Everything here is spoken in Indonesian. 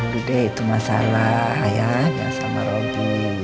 gede itu masalah ya ya sama robi